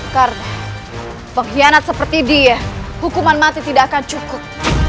karena pengkhianat seperti dia hukuman mati tidak akan cukup